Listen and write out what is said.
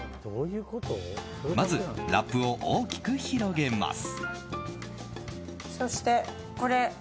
まずラップを大きく広げます。